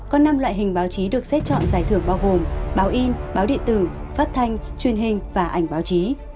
có năm loại hình báo chí được xét chọn giải thưởng bao gồm báo in báo điện tử phát thanh truyền hình và ảnh báo chí